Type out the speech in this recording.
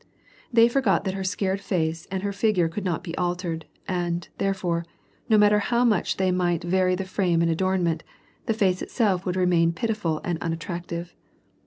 They forgot that her scared face and her figure could not he altered, and, therefore, no matter how much they might ▼aiy the frame and adornment, the face itself would remain pitiful and unatti active.